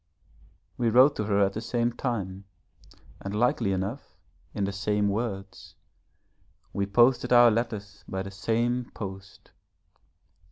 We wrote to her at the same time and likely enough, in the same words, we posted our letters by the same post.